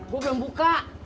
gua belum buka